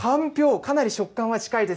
かなり食感は近いです。